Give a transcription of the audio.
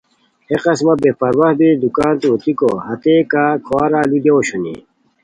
ہے قسمہ بے پرواہ بی دوکانتو اوتیکو ،ہتئےکا کھوارا لُودیاؤ اوشونی